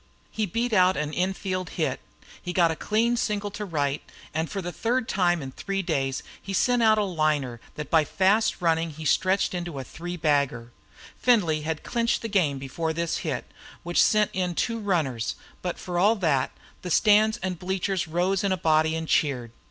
He beat out an in field hit; he got a clean single into right field; and for the third time in three days he sent out a liner that by fast running he stretched into a three bagger. Findlay had clinched the game before this hit, which sent in two runners, but for all that, the stands and bleachers rose in a body and cheered.